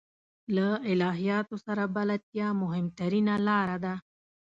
له الهیاتو سره بلدتیا مهمترینه لاره ده.